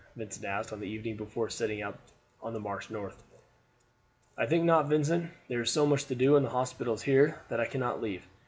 Vincent asked on the evening before setting out on the march north. "I think not, Vincent. There is so much to do in the hospitals here that I cannot leave.